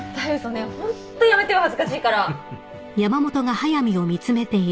ねえホントやめてよ恥ずかしいから。